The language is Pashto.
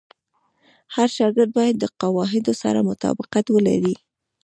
هر شاګرد باید د قواعدو سره مطابقت ولري.